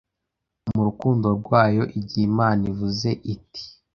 Mu rukundo rwayo, igihe Imana ivuze iti